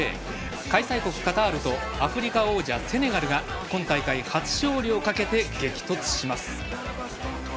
開催国カタールとアフリカ王者セネガルが今大会初勝利をかけて激突します。